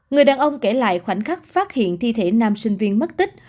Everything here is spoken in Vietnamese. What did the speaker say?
người đàn ông kể lại khoảnh khắc phát hiện thi thể nam sinh viên mất tích